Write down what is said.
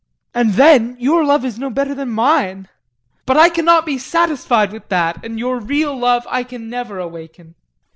And then your love is no better than mine. But I cannot be satisfied with that, and your real love I can never awaken.